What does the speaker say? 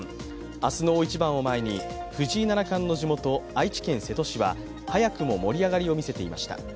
明日の大一番を前に、藤井七冠の地元愛知県瀬戸市では早くも盛り上がりを見せていました。